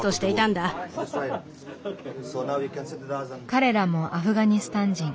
彼らもアフガニスタン人。